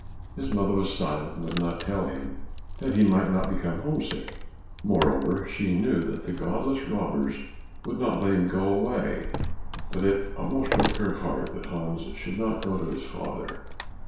His mother was silent and would not tell him, that he might not become home sick; moreover she knew that the godless robbers would not let him go away, but it almost broke her heart that Hans should not go to his father.